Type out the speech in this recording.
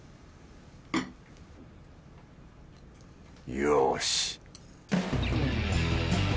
よし